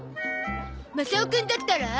マサオくんだったら？